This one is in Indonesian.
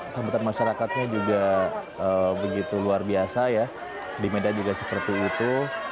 sambutan masyarakatnya juga begitu luar biasa ya di medan juga seperti itu